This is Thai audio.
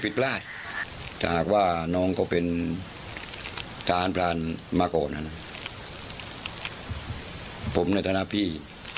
ผมอยากบอกว่างานน้องคิดได้ดี